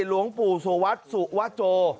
หลวงปู่สุวัสดิ์สุวโจ